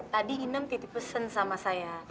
tadi inem titip pesen sama saya